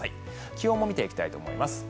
気温も見ていきたいと思います。